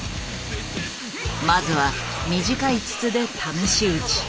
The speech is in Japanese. まずは短い筒で試し打ち。